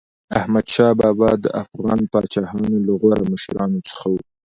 احمدشاه بابا د افغان پاچاهانو له غوره مشرانو څخه و.